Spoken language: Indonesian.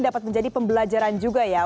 dapat menjadi pembelajaran juga ya